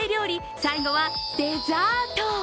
最後はデザート。